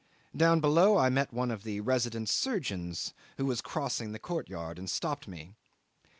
Down below I met one of the resident surgeons who was crossing the courtyard and stopped me.